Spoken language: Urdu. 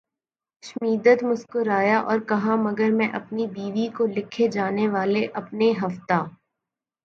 شمیدت مسکرایا اور کہا مگر میں اپنی بیوی کو لکھے جانے والے اپنے ہفتہ